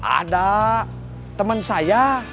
ada temen saya